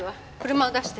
車を出して。